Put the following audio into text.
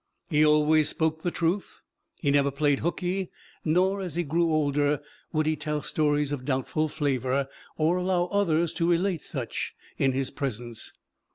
He always spoke the truth. He never played "hookey"; nor, as he grew older, would he tell stories of doubtful flavor, or allow others to relate such in his presence.